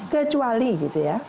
kecuali gitu ya